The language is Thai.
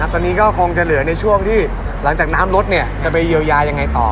ตอนนี้ก็คงจะเหลือในช่วงที่หลังจากน้ำรถจะไปเยียวยายังไงต่อ